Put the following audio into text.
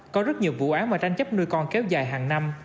có rất nhiều vụ án mà tranh chấp nuôi con kéo dài hàng năm